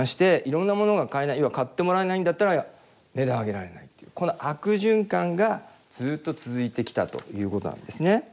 要は買ってもらえないんだったら値段上げられないっていうこの悪循環がずっと続いてきたということなんですね。